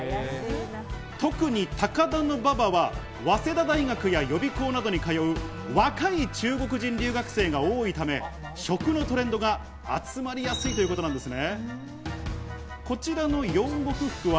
特に高田馬場は早稲田大学や予備校に通う若い中国人留学生が多いため、食のトレンドが集まりやすいということなんですね。